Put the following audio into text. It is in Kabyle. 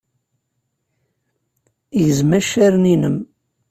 Gzem accaren-innem.